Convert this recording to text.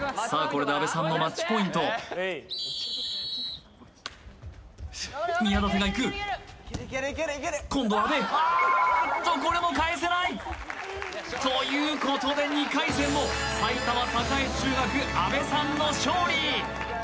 これで阿部さんのマッチポイント宮舘がいく今度は阿部あーっとこれも返せないということで２回戦も埼玉栄中学・阿部さんの勝利！